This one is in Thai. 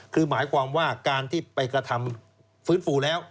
คือหมายความว่าการที่ไปกระทำฟื้นฟูแล้ว